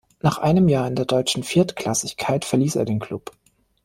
Nach einem Jahr in der deutschen Viertklassigkeit verließ er den Klub.